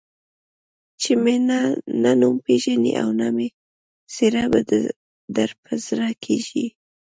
چې نه مې ته نوم پېژنې او نه مې څېره در په زړه کېږي.